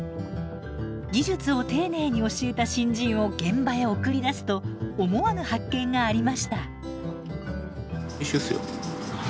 技術を丁寧に教えた新人を現場へ送り出すと思わぬ発見がありました。